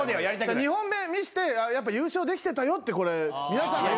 ２本目見してやっぱ優勝できてたよって皆さんが。